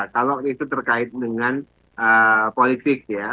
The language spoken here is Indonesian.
kalau itu terkait dengan politik ya